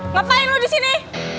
ngapain lo disini